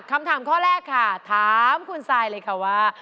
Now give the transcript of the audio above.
คำถามข้อแรกค่ะถามคุณซายเลยค่ะว่า